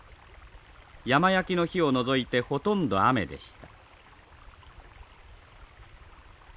山焼きの日を除いてほとんど雨でした。